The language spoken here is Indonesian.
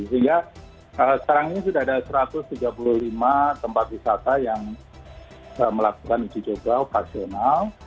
sehingga sekarang ini sudah ada satu ratus tiga puluh lima tempat wisata yang melakukan uji coba operasional